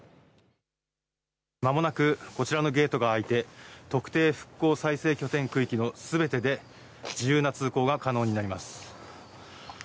間もなくこちらのゲートが開いて特定復興再生拠点区域のすべてで自由な通行が可能になります。